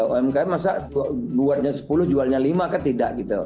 umkm masa jualnya sepuluh jualnya lima atau tidak